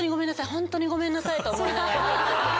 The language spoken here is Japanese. ホントにごめんなさいと思いながら。